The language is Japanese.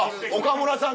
岡村さん